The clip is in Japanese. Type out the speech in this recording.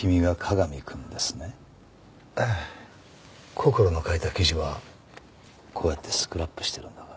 こころの書いた記事はこうやってスクラップしてるんだが。